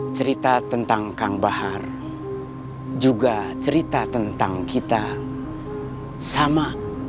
cerita tentang kang bahar juga cerita tentang kita sama